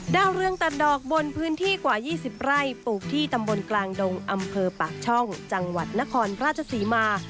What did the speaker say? ดาวเรืองตัดดอกบนพื้นที่กว่า๒๐ไร่ปลูกที่ตำบลกลางดงอำเภอปากช่องจังหวัดนครราชศรีมา